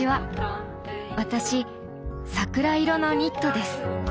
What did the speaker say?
私桜色のニットです。